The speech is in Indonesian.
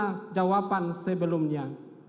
dan itu adalah jawaban sebelumnya